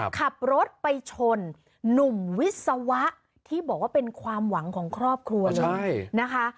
ขับรถไปชนหนุ่มวิศวะที่บอกว่าเป็นความหวังของครอบครัวเลยนะคะ